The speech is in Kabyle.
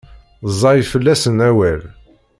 Ẓẓay fell-asen wawal.